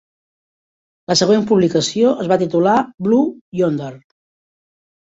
La següent publicació es va titular "Blue Yonder".